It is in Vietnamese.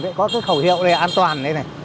có cái khẩu hiệu này là an toàn